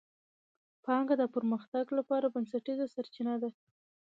پانګه د پرمختګ لپاره بنسټیزه سرچینه ده.